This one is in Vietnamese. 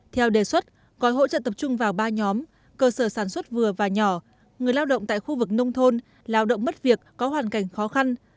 theo đề xuất gói hỗ trợ tập trung vào ba nhóm cơ sở sản xuất vừa và nhỏ người lao động tại khu vực nông thôn lao động mất việc có hoàn cảnh khó khăn